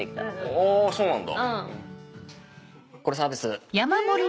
あぁそうなんだ。